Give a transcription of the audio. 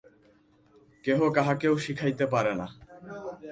কেহ কাহাকেও শিখাইতে পারে না।